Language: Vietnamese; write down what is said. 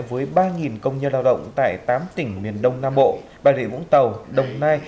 với ba công nhân lao động tại tám tỉnh miền đông nam bộ bà rịa vũng tàu đồng nai